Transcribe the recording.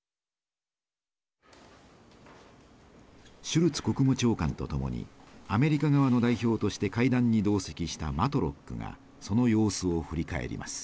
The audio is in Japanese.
シュルツ国務長官と共にアメリカ側の代表として会談に同席したマトロックがその様子を振り返ります。